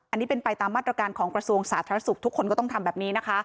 อันนี้เป็นไปตามมาตรการของกระทรวงสาธารณสุขทุกคนก็ต้องทำแบบนี้นะคะ